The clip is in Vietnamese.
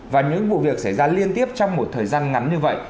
và những vụ việc xảy ra liên tiếp trong một thời gian ngắn như vậy